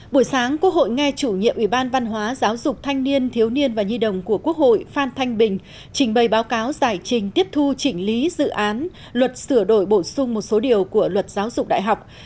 buổi sáng quốc hội nghe chủ nhiệm ủy ban văn hóa giáo dục thanh niên thiếu niên và nhi đồng của quốc hội phan thanh bình trình bày báo cáo giải trình tiếp thu chỉnh lý dự án luật sửa đổi bổ sung một số điều của luật giáo dục đại học